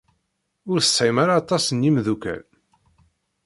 Ur tesɛim ara aṭas n yimeddukal.